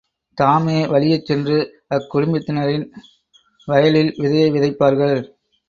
தாமே வலியச்சென்று அக்குடும்பத்தினரின் வயலில் விதையை விதைப்பார்கள்.